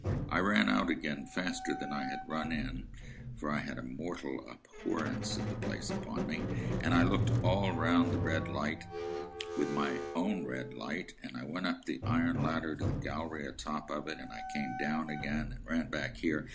I ran out again faster than I had run in (for I had a mortal abhorrence of the place upon me), and I looked all round the red light with my own red light, and I went up the iron ladder to the gallery atop of it, and I came down again, and ran back here.